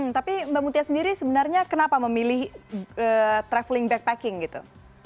tapi mbak mutia sendiri sebenarnya kenapa memilih traveling backpacking gitu